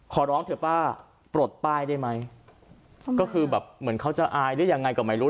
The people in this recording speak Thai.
ขอร้องเถอะป้าปลดป้ายได้ไหมก็คือแบบเหมือนเขาจะอายหรือยังไงก็ไม่รู้